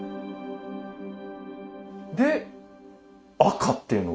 で赤っていうのは？